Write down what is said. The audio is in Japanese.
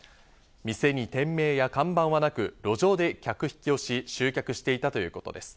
店に店名や看板はなく、路上で客引きをし集客していたということです。